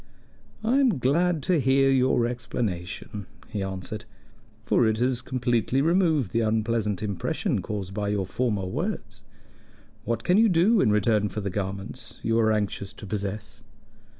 "I am glad to hear your explanation," he answered, "for it has completely removed the unpleasant impression caused by your former words. What can you do in return for the garments you are anxious to possess?